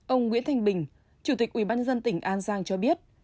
ông nguyễn thanh bình chủ tịch ubnd tỉnh an giang cho biết